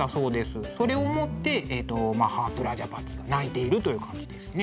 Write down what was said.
それを思ってマハー・プラジャーパティー泣いているという感じですね。